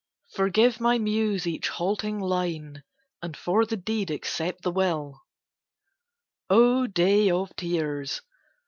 Forgive my Muse each halting line, And for the deed accept the will! O day of tears!